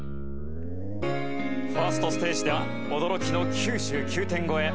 １ｓｔステージでは驚きの９９点超え。